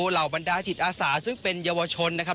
เหล่าบรรดาจิตอาสาซึ่งเป็นเยาวชนนะครับ